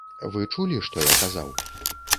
Вы чулі, што я казаў?